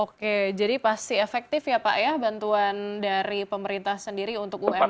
oke jadi pasti efektif ya pak ya bantuan dari pemerintah sendiri untuk umkm